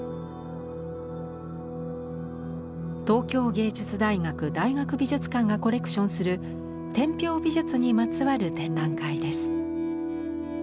東京藝術大学大学美術館がコレクションする天平美術にまつわる展覧会です。